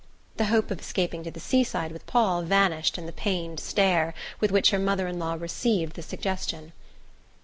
The hope of escaping to the seaside with Paul vanished in the pained stare with which her mother in law received the suggestion.